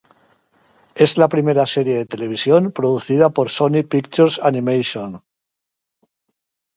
Es la primera serie de televisión producida por Sony Pictures Animation.